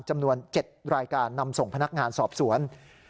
จำนวน๗รายการนำส่งพนักงานสอบสวน